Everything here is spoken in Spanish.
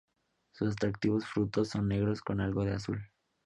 Sus atractivos frutos son negros con algo de azul.